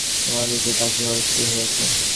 তোমাদের যে কাশী যাওয়া স্থির হইয়াছে।